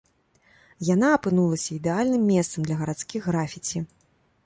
Яна апынулася ідэальным месцам для гарадскіх графіці.